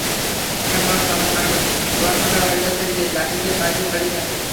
অনেক সময় মানুষ দোকান খোলার আগে থেকেই লাইন দিয়ে বাইরে দাঁড়িয়ে থাকে।